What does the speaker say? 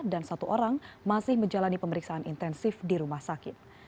dan satu orang masih menjalani pemeriksaan intensif di rumah sakit